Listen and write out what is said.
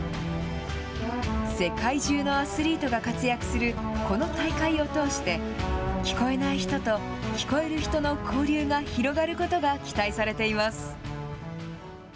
世界中のアスリートが活躍するこの大会を通して、聞こえない人と聞こえる人の交流が広がることが期待されています。